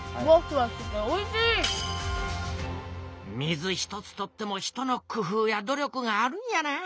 水一つとっても人の工ふうや努力があるんやな。